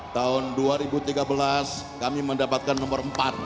tahun dua ribu tiga belas kami mendapatkan nomor empat